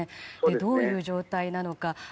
どういう状態なのか。